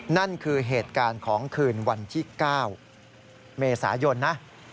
นั่นคือเหตุการณ์ของคืนวันที่๙เมษายนนะ